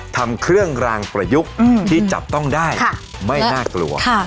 ทำเครื่องรางประยุกต์ที่จับต้องได้ไม่น่ากลัว